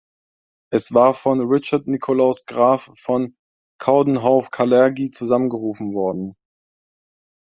Es war von Richard Nikolaus Graf von Coudenhove-Kalergi zusammengerufen worden.